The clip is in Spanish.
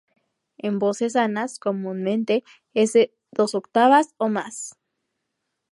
En voces sanas, comúnmente es de dos octavas o más.